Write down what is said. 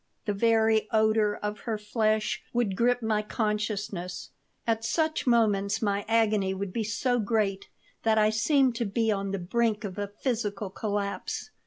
The very odor of her flesh would grip my consciousness. At such moments my agony would be so great that I seemed to be on the brink of a physical collapse.